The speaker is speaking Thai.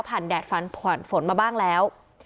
ผ่านแดดผ่านฝนมาบ้างแล้ว